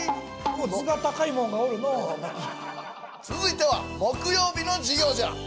続いては木曜日の授業じゃ。